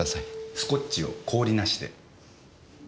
スコッチを氷なしで。